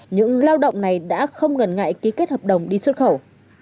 những lao động này đã không ngần ngại ký kết hợp đồng đi xuất khẩu